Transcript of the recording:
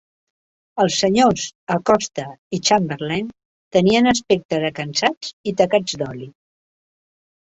Els senyors Acosta i Chamberlain tenien aspecte de cansats i tacats d'oli.